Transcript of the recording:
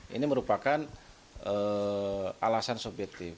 ini merupakan alasan subjektif